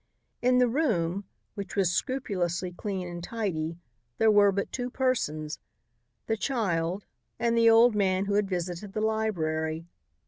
In the room, which was scrupulously clean and tidy, there were but two persons, the child and the old man who had visited the library.